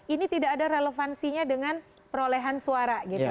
ini tidak ada relevansinya dengan perolehan suara gitu